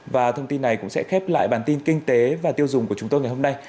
và thông tin này cũng sẽ khép lại bản tin kinh tế và tiêu dùng của chúng tôi ngày hôm nay